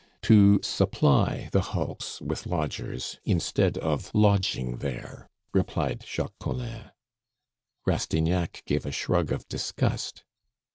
"To supply the hulks with lodgers instead of lodging there," replied Jacques Collin. Rastignac gave a shrug of disgust.